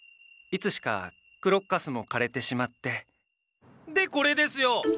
いつしかクロッカスも枯れてしまってでこれですよ！